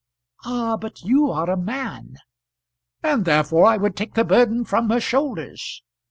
"Ah! but you are a man." "And therefore I would take the burden from her shoulders.